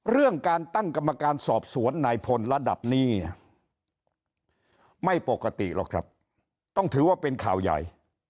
เรื่องการตั้งกรรมการสอบสวนนายพลระดับนี้เนี่ยไม่ปกติหรอกครับต้องถือว่าเป็นข่าวใหญ่